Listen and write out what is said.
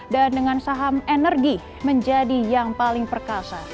dan dengan saham energi menjadi yang paling perkasa